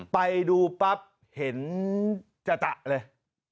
ไปดูปั๊บเห็นจตะเลย